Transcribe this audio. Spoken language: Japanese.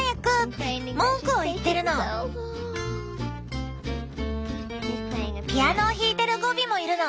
ピアノを弾いてるゴビもいるの。